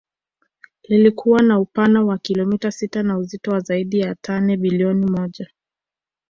Liilikuwa na upana wa kilometa sita na uzito wa zaidi ya tani bilioni moja